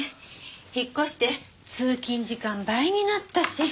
引っ越して通勤時間倍になったし。